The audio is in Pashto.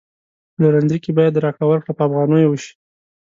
پلورنځي کی باید راکړه ورکړه په افغانیو وشي